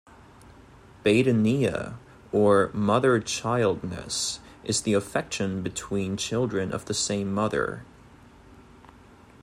"Badenya", or "mother-child-ness," is the affection between children of the same mother.